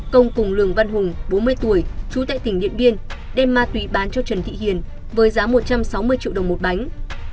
công cùng lường văn hùng bốn mươi tuổi trú tại tỉnh điện biên đem ma túy bán cho trần thị hiền với giá một trăm sáu mươi triệu đồng một bánh